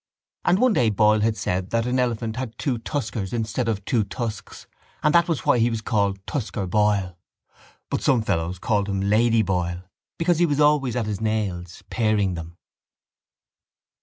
And one day Boyle had said that an elephant had two tuskers instead of two tusks and that was why he was called Tusker Boyle but some fellows called him Lady Boyle because he was always at his nails, paring them.